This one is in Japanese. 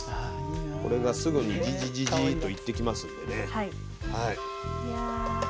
これがすぐにジジジジーと言ってきますんでね。